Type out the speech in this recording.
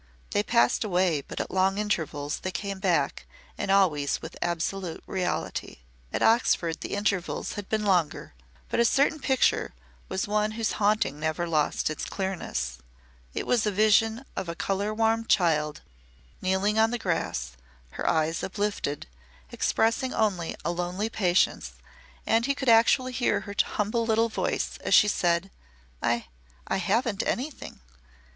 They passed away, but at long intervals they came back and always with absolute reality. At Oxford the intervals had been longer but a certain picture was one whose haunting never lost its clearness. It was a vision of a colour warm child kneeling on the grass, her eyes uplifted, expressing only a lonely patience, and he could actually hear her humble little voice as she said: "I I haven't anything."